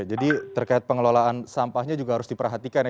jadi terkait pengelolaan sampahnya juga harus diperhatikan